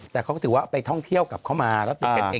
แต่เขาก็ถือว่าไปท่องเที่ยวกลับเข้ามาแล้วติดกันเอง